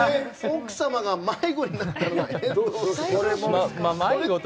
奥様が迷子になったと。